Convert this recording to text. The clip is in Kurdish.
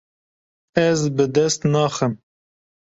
Ez bi dest naxim.